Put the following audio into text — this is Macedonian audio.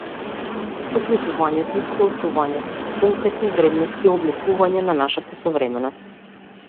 Согледувањето и соочувањето со конкретни вредности е обликување на нашата современост.